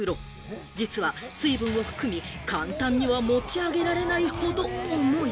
実は水分を含み、簡単には持ち上げられない程、重い。